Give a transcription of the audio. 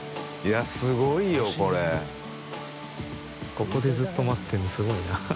ここでずっと待ってるのすごいな。